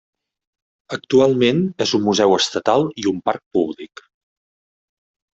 Actualment és un museu estatal i un parc públic.